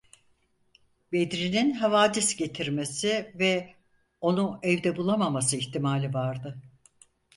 Bedri’nin havadis getirmesi ve onu evde bulamaması ihtimali vardı.